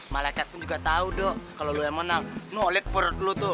malaikat gue juga tahu do kalau lo yang menang lo olit perut lo tuh